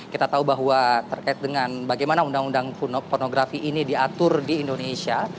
kita tahu bahwa terkait dengan bagaimana undang undang pornografi ini diatur di indonesia